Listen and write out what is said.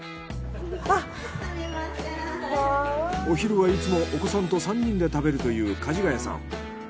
お昼はいつもお子さんと３人で食べるという梶ヶ谷さん。